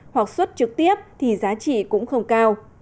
hoặc xuất trực tiếp thì giá trị cũng không cao